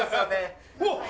うわっ！